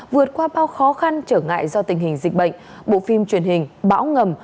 vượt qua bao khó khăn trở ngại do tình hình dịch bệnh bộ phim truyền hình bão ngầm